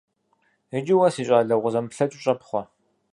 Иджы уэ, си щӀалэ, укъызэмыплъэкӀыу щӀэпхъуэ.